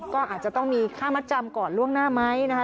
ก็อาจจะต้องมีค่ามัดจำก่อนล่วงหน้าไหมนะคะ